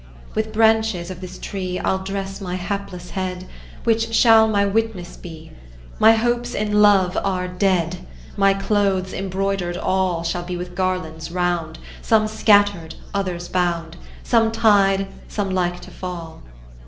With branches of this tree I'll dress my hapless head Which shall my witness be My hopes in love are dead; My clothes embroidered all Shall be with garlands round Some scattered, others bound, Some tied, some like to fall.